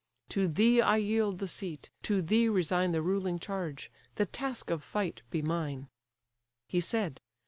To thee I yield the seat, to thee resign The ruling charge: the task of fight be mine." He said.